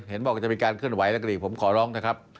เห็นว่าจะมีการเคลื่อนไหวแล้วก็อีกผมขอร้อง